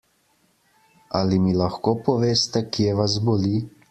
Ali mi lahko poveste, kje vas boli?